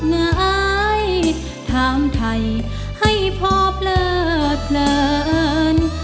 เงินไหว้ทำใครให้พอเปลือเปลือน